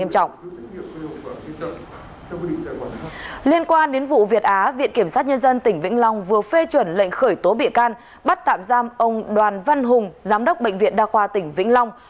liên quan đến vụ việt á viện kiểm sát nhân dân tỉnh vĩnh long vừa phê chuẩn lệnh khởi tố bị can bắt tạm giam ông đoàn văn hùng giám đốc bệnh viện đa khoa tỉnh vĩnh long